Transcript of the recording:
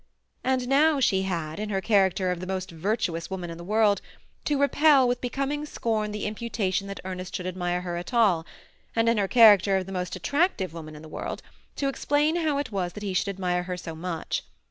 And now she had, in her character of the most virtuous woman in the world, to repel with becoming scorn the imputation that Ernest should admire her at all, and in her character of the most attractive woman in the world, to explain how it was that he should admire her so much.